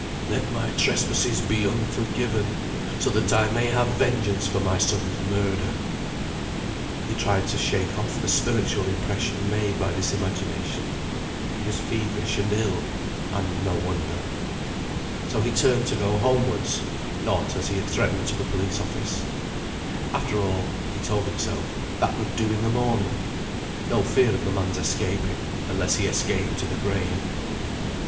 "Let my trespasses be unforgiven, so that I may have vengeance for my son's murder." He tried to shake off the spiritual impression made by this imagination. He was feverish and ill, and no wonder. So he turned to go homewards; not, as he had threatened, to the police office. After all (he told himself), that would do in the morning. No fear of the man's escaping, unless he escaped to the grave.